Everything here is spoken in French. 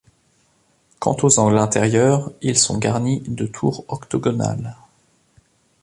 Quant aux angles intérieurs ils sont garnis de tours octogonales.